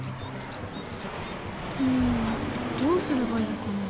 うんどうすればいいかな。